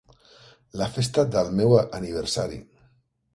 La festa del meu aniversari.